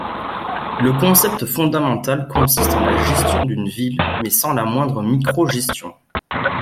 Le concept fondamental consiste en la gestion d'une ville, mais sans la moindre micro-gestion.